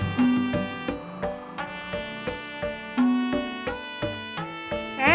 mak kesian nama lo